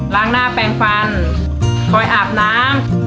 ล้างหน้าแปลงฟันคอยอาบน้ำ